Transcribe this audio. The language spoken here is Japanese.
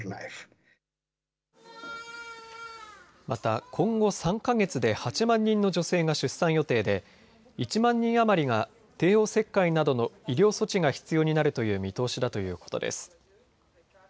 また今後３か月で８万人の女性が出産予定で１万人余りが帝王切開などの医療措置が必要になるという見通しだということです。